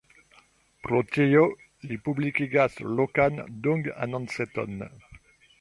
Pro tio, li publikigas lokan dung-anonceton.